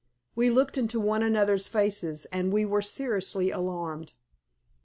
We looked into one another's faces, and we were seriously alarmed.